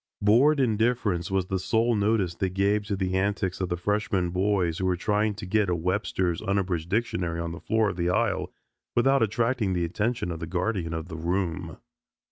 Bored indifference was the sole notice they gave to the antics of the freshmen boys who were trying to get a Webster's unabridged dictionary on the floor of the aisle without attracting the attention of the guardian of the room.